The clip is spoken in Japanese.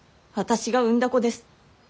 私が産んだ子です。